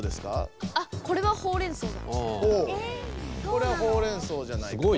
これはほうれんそうじゃないかと。